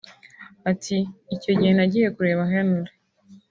Ati “ Icyo gihe nagiye kureba Henry